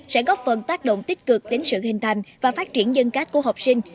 sẽ góp phần tác động tích cực đến sự hình thành và phát triển nhân cách của học sinh